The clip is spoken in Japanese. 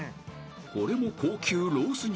［これも高級ロース肉］